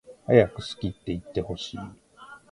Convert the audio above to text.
はやく好きっていってほしい